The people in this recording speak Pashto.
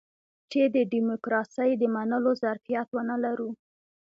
چې د ډيموکراسۍ د منلو ظرفيت ونه لرو.